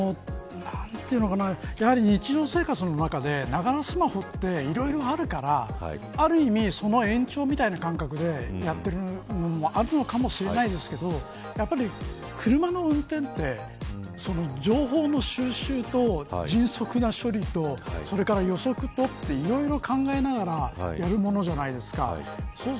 やはり日常生活の中でながらスマホっていろいろあるからある意味、その延長みたいな感覚でやってるものもあるのかもしれないですがやっぱり車の運転って情報の収集と迅速な処理と予測と、いろいろ考えながらいろいろやるものじゃないですか。